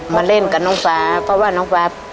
มาเล่นกับน้องฟ้าเพราะว่าน้องฟ้า